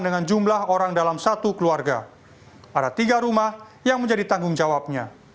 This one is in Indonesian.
dengan jumlah orang dalam satu keluarga ada tiga rumah yang menjadi tanggung jawabnya